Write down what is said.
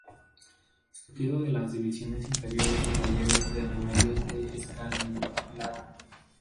Surgido de las divisiones inferiores de Talleres de Remedios de Escalada.